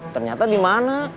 ternyata di mana